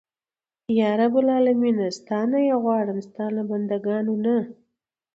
یا رب العالمینه ستا نه یې غواړم ستا له بنده ګانو نه.